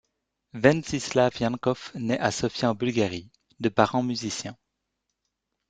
Ventsislav Yankoff naît à Sofia en Bulgarie, de parents musiciens.